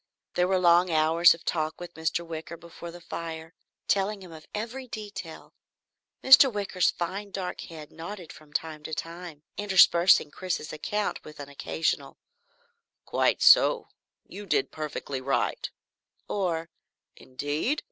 There were long hours of talk with Mr. Wicker before the fire, telling him of every detail. Mr. Wicker's fine dark head nodded from time to time, interspersing Chris's account with an occasional "Quite so you did perfectly right," or, "Indeed?